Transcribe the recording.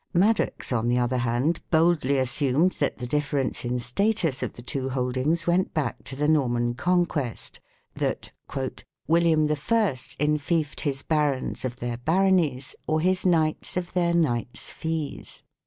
1 Madox, on the other hand, boldly assumed that the difference in status of the two holdings went back to the Norman Conquest, that " William I enfeoffed his Barons of their Baronies, or his Knights of their Knights' Fees".